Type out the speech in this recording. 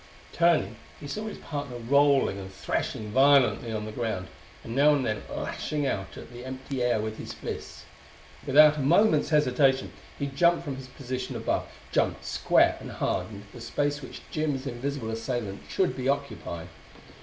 Turning, he saw his partner rolling and threshing violently on the ground, and now and then lashing out at the empty air with his fists. Without a moment's hesitation he jumped from his position above jumped square and hard into the space which Jim's invisible assailant should be occupying.